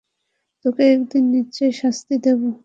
তোকে একদিন নিশ্চয়ই শাস্তি দিব।